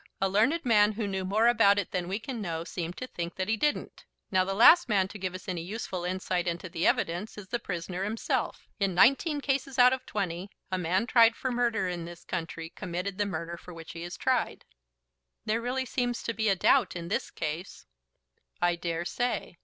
A learned man who knew more about it than we can know seemed to think that he didn't. Now the last man to give us any useful insight into the evidence is the prisoner himself. In nineteen cases out of twenty a man tried for murder in this country committed the murder for which he is tried." "There really seems to be a doubt in this case." "I dare say.